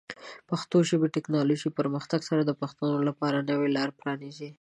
د پښتو ژبې د ټیکنالوجیکي پرمختګ سره، د پښتنو لپاره نوې لارې پرانیزي.